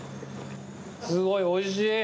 すごいおいしい！